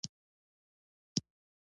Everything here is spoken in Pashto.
د خلکو په زړونو کې جدیت ګډېږي.